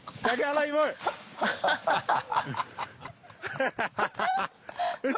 ハハハハ！